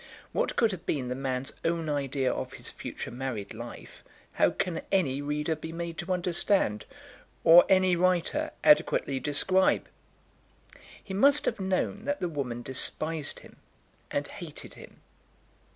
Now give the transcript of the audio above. What could have been the man's own idea of his future married life, how can any reader be made to understand, or any writer adequately describe! He must have known that the woman despised him, and hated him.